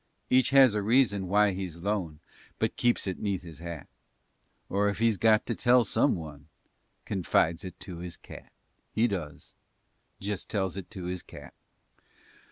Each has a reason why he's lone, But keeps it 'neath his hat; Or, if he's got to tell some one, Confides it to his cat, He does, Just tells it to his cat.